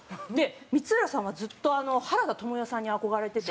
光浦さんはずっと原田知世さんに憧れてて。